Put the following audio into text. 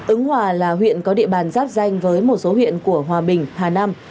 ứng hòa là huyện có địa bàn giáp danh với một số huyện của hòa bình hà nam